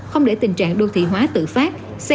không để tình trạng đô thị hóa tự phát